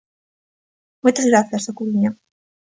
Moitas grazas, A Coruña.